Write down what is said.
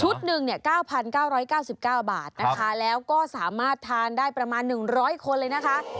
หนึ่งเนี่ย๙๙๙๙บาทนะคะแล้วก็สามารถทานได้ประมาณ๑๐๐คนเลยนะคะ